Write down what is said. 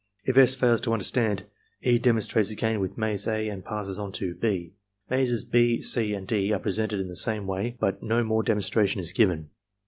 If S. fails to understand, E. demonstrates again with maze A and passes on to (6). Mazes (6), (c), and (d) are presented in the same way, but no more demonstration is given.